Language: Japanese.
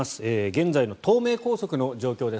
現在の東名高速の状況です。